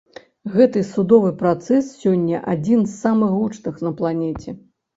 Гэты судовы працэс сёння адзін з самых гучных на планеце.